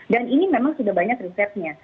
dan ini memang sudah banyak resepnya